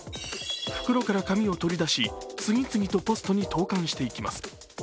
袋から紙を取り出し、次々とポストに投函していきます。